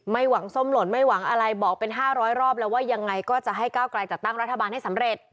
หวังส้มหล่นไม่หวังอะไรบอกเป็น๕๐๐รอบแล้วว่ายังไงก็จะให้ก้าวกลายจัดตั้งรัฐบาลให้สำเร็จ